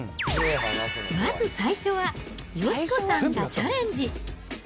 まず最初は、佳子さんがチャレンジ。